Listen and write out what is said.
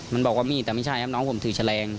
มันบอกว่ามีดแต่ไม่ใช่ครับน้องผมถือแฉลง